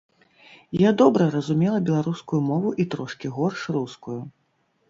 Я добра разумела беларускую мову і трошкі горш рускую.